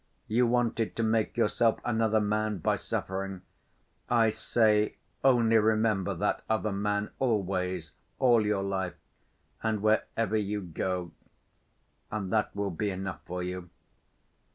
You wanted to make yourself another man by suffering. I say, only remember that other man always, all your life and wherever you go; and that will be enough for you.